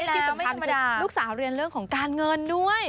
ใช่แล้วไม่ธรรมดาและที่สุดที่สำคัญคือลูกสาวเรียนเรื่องของการเงินด้วย